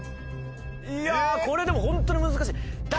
いやこれでもホントに難しい。